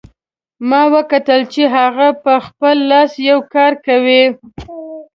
ما وکتل چې هغه په خپل لاس یو کار کوي